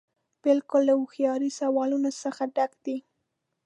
بلکې له هوښیارو سوالونو څخه ډک دی.